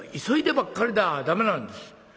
「急いでばっかりでは駄目なんです。